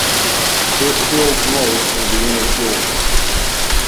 It fills most of the inner fjord.